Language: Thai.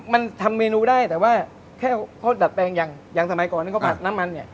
มันทำเมนูได้แต่ว่าแค่เขาดัดแปลงอย่างสมัยก่อนที่เขาผัดน้ำมันเนี่ย